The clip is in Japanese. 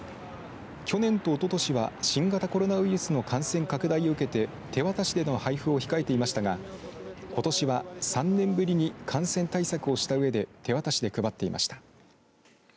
去年とおととしは新型コロナウイルスの感染拡大を受けて手渡しでの配布を控えていましたがことしは３年ぶりに感染対策をした上で手渡しで配っていました。